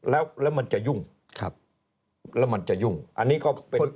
แล้วมันจะยุ่งอันนี้ก็เป็น